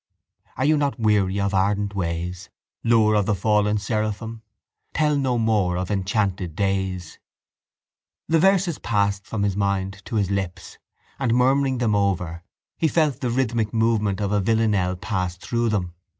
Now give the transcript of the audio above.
Are you not weary of ardent ways, Lure of the fallen seraphim? Tell no more of enchanted days. The verses passed from his mind to his lips and, murmuring them over, he felt the rhythmic movement of a villanelle pass through them.